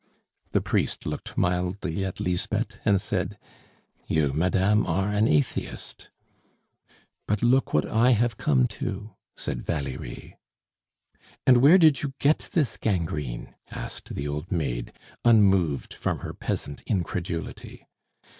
The priest looked mildly at Lisbeth and said: "You, madame, are an atheist!" "But look what I have come to," said Valerie. "And where did you get this gangrene?" asked the old maid, unmoved from her peasant incredulity.